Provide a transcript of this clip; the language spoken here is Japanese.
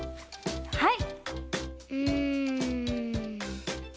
はい。